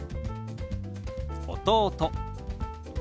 「弟」。